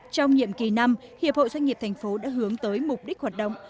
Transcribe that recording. trong nhiệm kỳ năm hiệp hội doanh nghiệp tp hcm đã hướng tới mục đích hoạt động